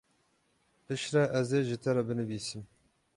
Piştre ez ê ji te re binivîsim.